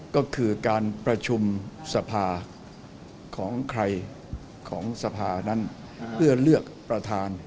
ก็คือการประชุมสภาของใครของสภานั้นเพื่อเลือกประธาน